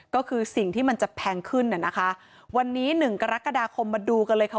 ก็คือสิ่งที่มันจะแพงขึ้นน่ะนะคะวันนี้หนึ่งกรกฎาคมมาดูกันเลยค่ะ